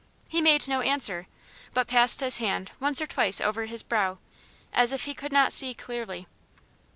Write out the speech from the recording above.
He made no answer, but passed his hand once or twice over his brow, as if he could not see clearly.